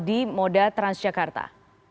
di moda transjakarta